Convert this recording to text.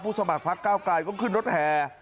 สมัครพักเก้าไกลก็ขึ้นรถแห่